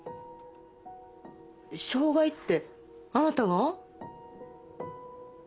障害ってあなたが？